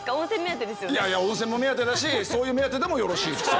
いやいや温泉も目当てだしそういう目当てでもよろしいですよ。